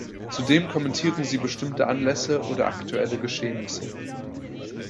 Zudem kommentieren sie bestimmte Anlässe oder aktuelle Geschehnisse.